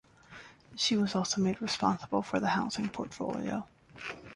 She was also made responsible for the Housing portfolio.